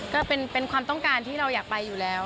ก็เป็นความต้องการที่เราอยากไปอยู่แล้ว